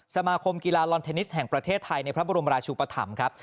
สมาคมกีฬาลอนเทนนิสแห่งประเทศไทยในพระบรมราชุปธรรมครับ